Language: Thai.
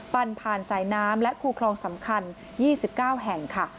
ผ่านสายน้ำและคู่คลองสำคัญ๒๙แห่งค่ะ